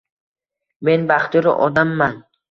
Men baxtiyor odamman.